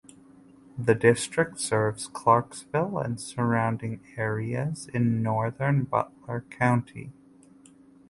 The district serves Clarksville and surrounding areas in northern Butler County.